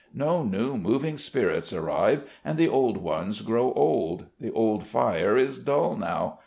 No new moving spirits arrive, and the old ones grow old.... The old fire is dull now.